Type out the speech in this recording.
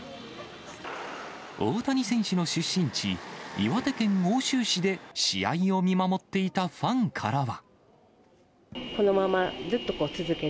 大谷選手の出身地、岩手県奥州市で試合を見守っていたファンからは。